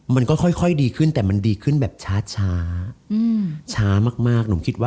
มันก็ค่อยดีขึ้นแต่มันดีขึ้นแบบช้า